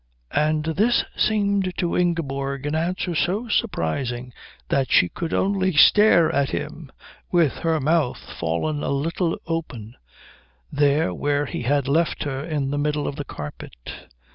And this seemed to Ingeborg an answer so surprising that she could only stare at him with her mouth fallen a little open, there where he had left her in the middle of the carpet.